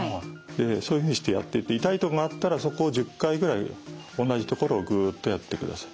そういうふうにしてやっていって痛い所があったらそこを１０回くらい同じ所をぐっとやってください。